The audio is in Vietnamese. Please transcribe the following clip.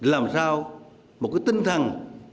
làm sao một cái tinh thần